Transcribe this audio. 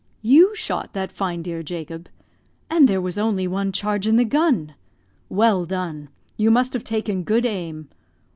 "You shot that fine deer, Jacob? and there was only one charge in the gun! Well done; you must have taken good aim."